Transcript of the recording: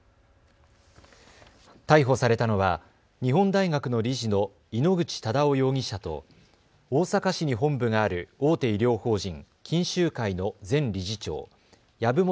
逮捕されたのは日本大学の理事の井ノ口忠男容疑者と大阪市に本部がある大手医療法人、錦秀会の前理事長、籔本